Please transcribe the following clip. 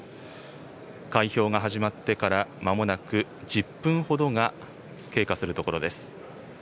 開票が始まってから、まもなく１０分ほどが経過するところです。